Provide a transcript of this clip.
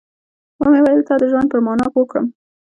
ومې ويل تا د ژوند پر مانا پوه کړم.